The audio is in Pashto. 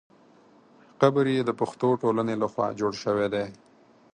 قبر یې د پښتو ټولنې له خوا جوړ شوی دی.